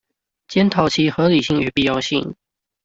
檢討其合理性與必要性